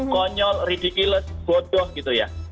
konyol redikiless bodoh gitu ya